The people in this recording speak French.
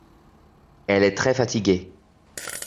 Elle est très fatiguée.